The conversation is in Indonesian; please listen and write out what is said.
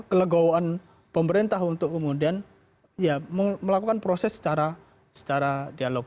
kelegoan pemerintah untuk kemudian ya melakukan proses secara dialog